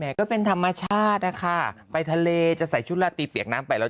ก็เป็นธรรมชาตินะคะไปทะเลจะใส่ชุดลาตีเปียกน้ำไปแล้ว